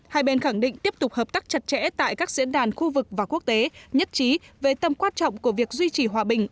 hai bên khẳng định tiếp tục hợp tác chặt chẽ tại các diễn đàn khu vực và quốc tế nhất trí về tâm quan trọng của việc duy trì hòa bình